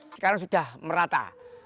sekarang sudah merata